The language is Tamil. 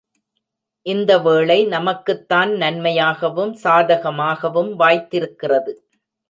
இந்த வேளை நமக்குத்தான் நன்மையாகவும் சாதகமாகவும் வாய்த்திருக்கிறது.